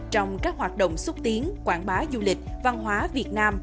trong các hoạt động xúc tiến quảng bá du lịch văn hóa việt nam